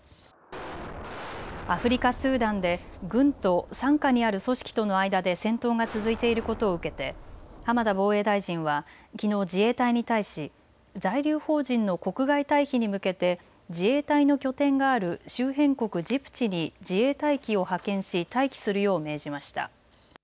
アフリカ・スーダンで軍と傘下にある組織との間で戦闘が続いていることを受けて浜田防衛大臣はきのう自衛隊に対し在留邦人の国外退避に向けて自衛隊の拠点がある周辺国ジブチに自衛隊機を派遣し待機するよう命じました。